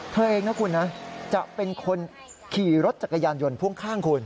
เธอเองนะคุณนะจะเป็นคนขี่รถจักรยานยนต์พ่วงข้างคุณ